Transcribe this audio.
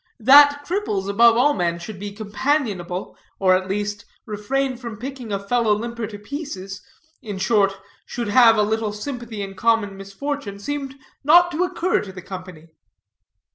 That cripples, above all men should be companionable, or, at least, refrain from picking a fellow limper to pieces, in short, should have a little sympathy in common misfortune, seemed not to occur to the company.